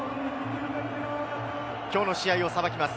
きょうの試合をさばきます